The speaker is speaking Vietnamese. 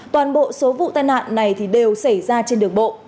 toàn bộ số vụ tai nạn này đều xảy ra trên đường bộ